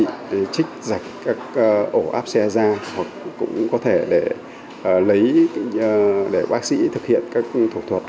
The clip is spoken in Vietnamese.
để trích giặt các ổ áp xe da hoặc cũng có thể để bác sĩ thực hiện các thủ thuật